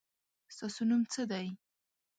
ستاسو نوم څه دی ؟